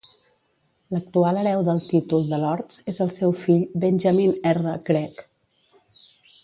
L'actual hereu del títol de Lords és el seu fill, Benjamin R. Gregg.